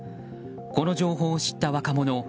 この情報を知った若者